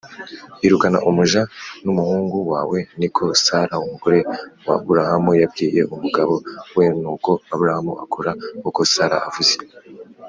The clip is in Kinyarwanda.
irukana umuja n umuhungu wawe niko sara umugore wa burahamu yabwiye umugabo we nuko aburahamu akora uko sara avuze.